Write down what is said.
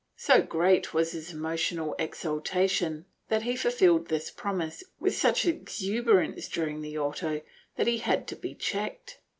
^ So great was his emotional exaltation that he fulfilled this promise with such exuberance during the auto that he had to be checked.